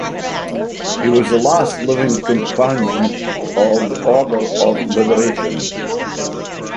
He was the last living Companion of the Order of Liberation.